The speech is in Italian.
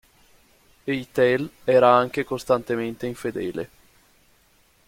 Eitel era anche costantemente infedele.